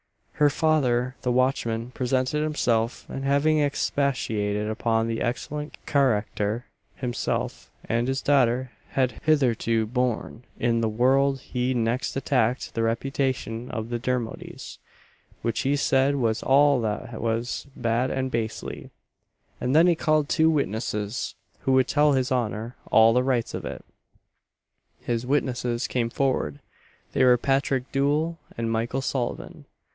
Her father, the watchman, presented himself; and having expatiated upon the excellent carackter himself and his daughter had hitherto borne in the world he next attacked the reputation of the Dermodys; which he said was all that was "bad and bastely;" and then he called two witnesses, who would tell his honour "all the rights of it." His witnesses came forward; they were Patrick Doole and Michael Sullivan.